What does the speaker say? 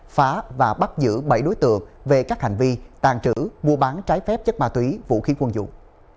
phá và bắt giữ bảy đối tượng về các hành vi tàn trữ mua bán trái phép chất ma túy vũ khí quân dụng